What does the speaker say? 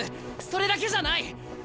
それだけじゃない！